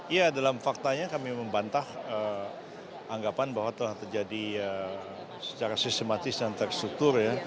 ya dalam faktanya kami membantah anggapan bahwa telah terjadi secara sistematis dan terstruktur ya